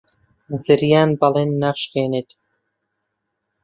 زریان بەڵێن ناشکێنێت.